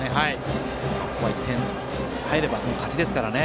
ここは１点が入れば勝ちですからね。